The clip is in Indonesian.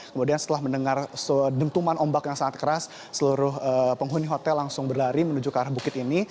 kemudian setelah mendengar sedentuman ombak yang sangat keras seluruh penghuni hotel langsung berlari menuju ke arah bukit ini